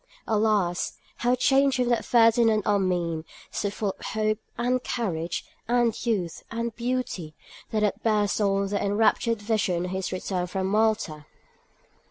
Alas! how changed from that Ferdinand Armine, so full of hope, and courage, and youth, and beauty, that had burst on their enraptured vision on his return from Malta.